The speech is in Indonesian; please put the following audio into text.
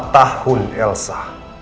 empat tahun elsa